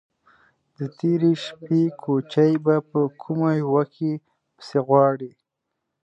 _د تېرې شپې کوچی به په کومه يوه کې پسې غواړې؟